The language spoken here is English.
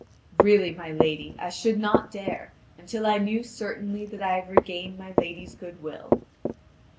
"Really, my lady, I should not dare, until I knew certainly that I had regained my lady's good will."